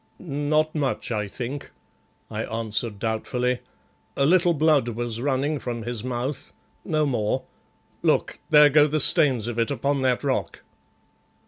"Not much, I think," I answered doubtfully, "a little blood was running from his mouth, no more. Look, there go the stains of it upon that rock."